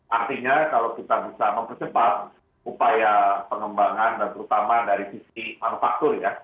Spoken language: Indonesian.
artinya kalau kita bisa mempercepat upaya pengembangan dan terutama dari sisi manufaktur ya